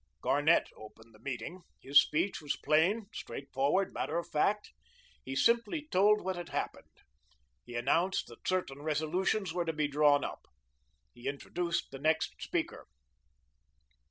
Garnett opened the meeting; his speech was plain, straightforward, matter of fact. He simply told what had happened. He announced that certain resolutions were to be drawn up. He introduced the next speaker.